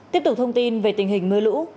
tiếp tục thông tin về tình hình mưa lũ